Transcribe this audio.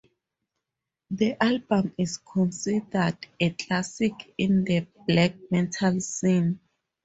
The album is considered a classic in the black metal scene.